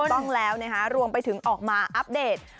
ต้องแล้วนะคะรวมไปถึงออกมาอัปเดต